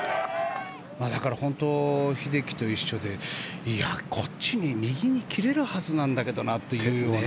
だから本当、英樹と一緒でこっちに、右に切れるはずなんだけどなっていうような。